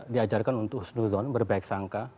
diajarkan untuk who's no zone berbaik sangka